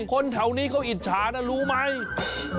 คนแถวนี้เขาอิจฉานะรู้ไหม